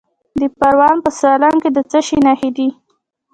د پروان په سالنګ کې د څه شي نښې دي؟